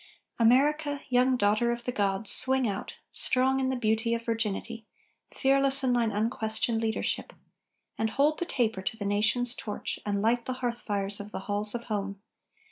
America, young daughter of the gods, swing out, Strong in the beauty of virginity, Fearless in thine unquestioned leadership, And hold the taper to the nations' torch, And light the hearthfires of the halls of home.